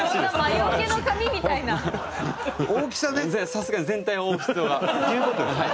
さすがに全体を覆う必要が。っていう事ですよね。